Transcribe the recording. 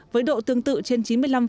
với độ tương tự trên chín mươi năm